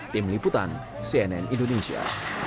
tim liputan cnn indonesia